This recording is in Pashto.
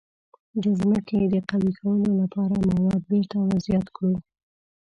د ځمکې د قوي کولو لپاره مواد بیرته ور زیات کړو.